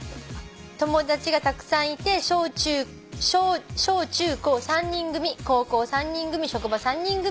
友達がたくさんいて小中高３人組高校３人組職場３人組」